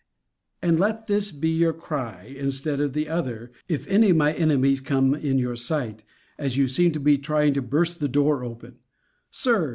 And let this be your cry, instead of the other, if any of my enemies come in your sight, as you seem to be trying to burst the door open, Sir!